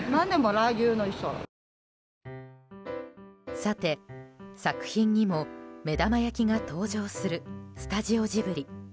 さて、作品にも目玉焼きが登場するスタジオジブリ。